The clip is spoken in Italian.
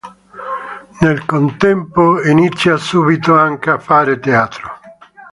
Nel contempo inizia subito anche a fare teatro.